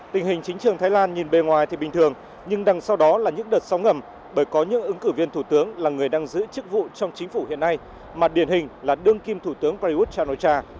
tình hình chính trường thái lan nhìn bề ngoài thì bình thường nhưng đằng sau đó là những đợt sóng ngầm bởi có những ứng cử viên thủ tướng là người đang giữ chức vụ trong chính phủ hiện nay mà điển hình là đương kim thủ tướng prayuth chan o cha